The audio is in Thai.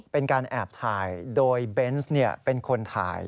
เป็นการแอบถ่ายโดยเบนส์เป็นคนถ่าย